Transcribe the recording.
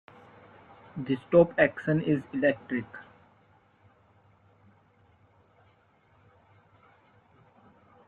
The stop action is electric.